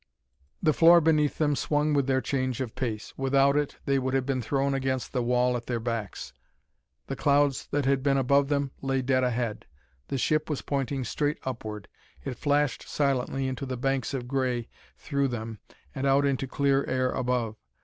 The floor beneath them swung with their change of pace. Without it, they would have been thrown against the wall at their backs. The clouds that had been above them lay dead ahead; the ship was pointing straight upward. It flashed silently into the banks of gray, through them, and out into clear air above.